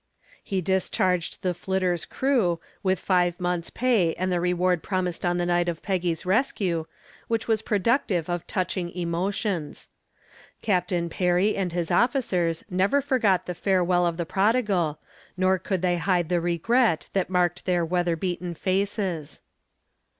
He discharged the "Flitter's" crew, with five months' pay and the reward promised on the night of Peggy's rescue, which was productive of touching emotions. Captain Perry and his officers never forgot the farewell of the prodigal, nor could they hide the regret that marked their weather beaten faces.